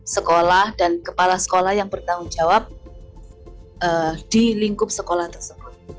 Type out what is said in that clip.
sekolah dan kepala sekolah yang bertanggung jawab di lingkup sekolah tersebut